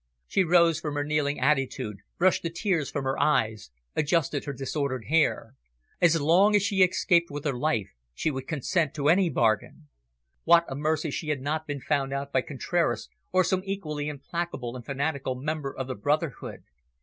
She rose from her kneeling attitude, brushed the tears from her eyes, adjusted her disordered hair. As long as she escaped with life, she would consent to any bargain. What a mercy she had not been found out by Contraras, or some equally implacable and fanatical member of the brotherhood!